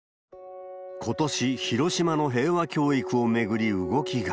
ことし、広島の平和教育を巡り動きが。